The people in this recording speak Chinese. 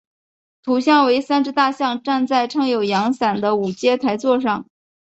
图像为三只大象站在撑有阳伞的五阶台座上。